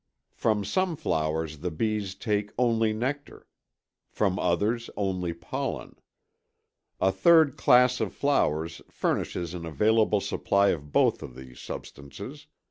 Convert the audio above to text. From some flowers the bees take only nectar, from others only pollen; a third class of flowers furnishes an available supply of both of these substances.